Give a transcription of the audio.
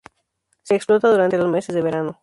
Se explota durante los meses de verano.